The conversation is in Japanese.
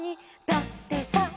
だってさ」